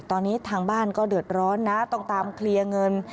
ตอนนี้ทางบ้านก็เดือดร้อนนะต้องตามเคลียร์เงิน